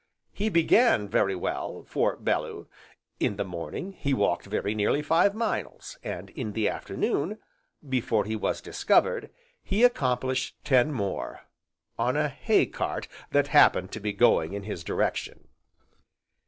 He began very well, for Bellew, in the morning he walked very nearly five miles, and, in the afternoon, before he was discovered, he accomplished ten more on a hay cart that happened to be going in his direction.